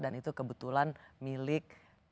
dan itu kebetulan milik